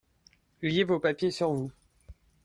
ayez vos papiers sur vous.